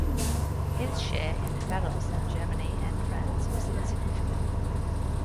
His share in the battles in Germany and France was insignificant.